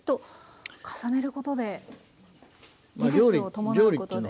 重ねることで技術を伴うことで。